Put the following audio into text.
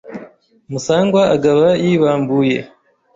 Musangwa agaba yibambuye